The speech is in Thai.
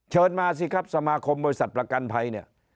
มาสิครับสมาคมบริษัทประกันภัยเนี่ย